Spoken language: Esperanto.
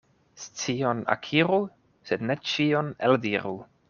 Scion akiru, sed ne ĉion eldiru.